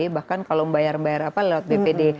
bahkan kalau membayar mbayar apa lewat bpd